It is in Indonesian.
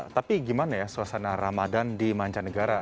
tapi gimana ya suasana ramadan di mancanegara